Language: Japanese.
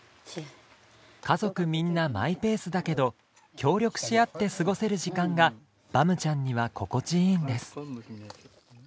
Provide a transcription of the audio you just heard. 家族みんなマイペースだけど協力し合って過ごせる時間がバムちゃんには心地いいんです。